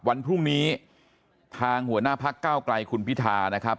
วันพรุ่งนี้ทางหัวหน้าพักเก้าไกลคุณพิธานะครับ